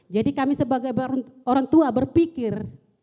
jadi kami sebagai orang tua berpikir